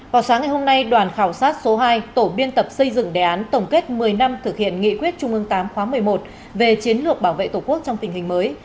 vào sáng ngày hôm nay đoàn khảo sát số hai tổ biên tập xây dựng đề án tổng kết một mươi năm thực hiện nghị quyết trung ương tám khóa một mươi một về chiến lược bảo vệ tổ quốc trong tình hình mới